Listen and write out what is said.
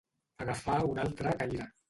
Agafar un altre caire.